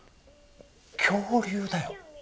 恐竜！だよ。